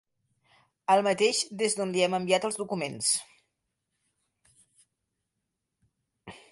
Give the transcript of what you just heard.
Al mateix des d'on li hem enviat els documents.